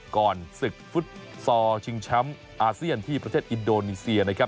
ก่อนศึกฟุตซอลชิงแชมป์อาเซียนที่ประเทศอินโดนีเซียนะครับ